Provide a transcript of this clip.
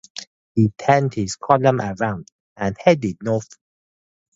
He turned his column around and headed north.